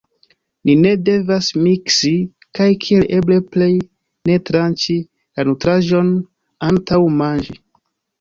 Ni ne devas miksi, kaj kiel eble plej ne tranĉi la nutraĵon antaŭ manĝi.